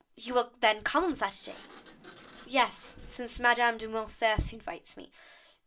"You will, then, come on Saturday?" "Yes, since Madame de Morcerf invites me."